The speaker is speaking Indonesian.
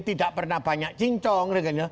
tidak pernah banyak cincong